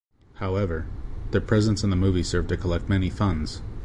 However, their presence in the movie served to collect many funds.